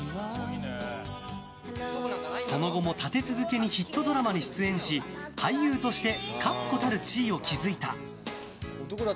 その後も立て続けにヒットドラマに出演し俳優として確固たる地位を築いた。